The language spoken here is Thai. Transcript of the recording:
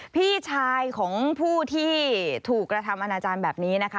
พี่ชายของผู้ที่ถูกกระทำอาณาจารย์แบบนี้นะคะ